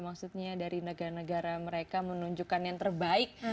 maksudnya dari negara negara mereka menunjukkan yang terbaik